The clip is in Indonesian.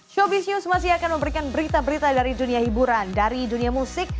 showbiz news masih akan memberikan berita berita dari dunia hiburan dari dunia musik